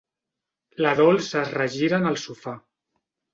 La Dols es regira en el sofà.